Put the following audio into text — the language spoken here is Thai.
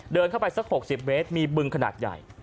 เดินเข้าไปสัก๖๐เมตรมีบึงขนาดใหญ่